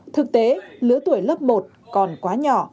thực tế lối tuổi lớp một còn quá nhỏ